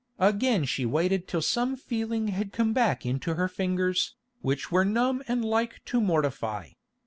Again she waited till some feeling had come back into her fingers, which were numb and like to mortify.